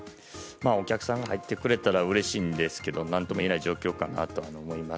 お客さんが入ってくれたらうれしいんですけど何とも言えない状況かなと思います。